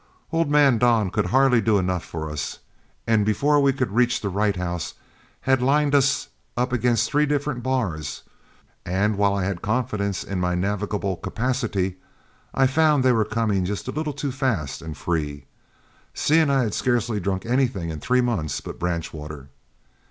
Old man Don could hardly do enough for us; and before we could reach the Wright House, had lined us up against three different bars; and while I had confidence in my navigable capacity, I found they were coming just a little too fast and free, seeing I had scarcely drunk anything in three months but branch water.